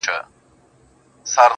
• زه وايم راسه شعر به وليكو.